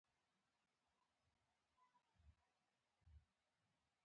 دا خو ډېره بده ده.